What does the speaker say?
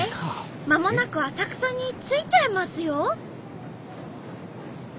まもなく浅草に着いちゃいますよ。